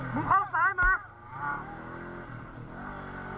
มันขาดข้างไว้อ้าว